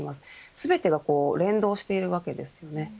全てが連動しているわけですよね。